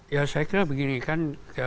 ya saya kira begini kan